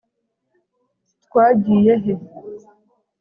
twagiye he